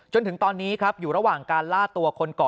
จนถึงตอนนี้ครับอยู่ระหว่างการล่าตัวคนก่อเหตุ